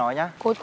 lấy hai cái nhá